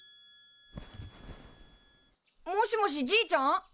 ☎もしもしじいちゃん？